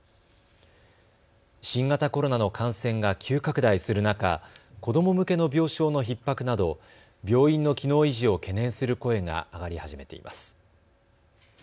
新型コロナの感染が急拡大する中、子ども向けの病床のひっ迫など病院の機能維持を懸念する声が上がり始めています。